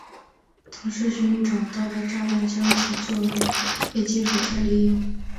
同时寻找到的炸弹将其作为废金属再利用。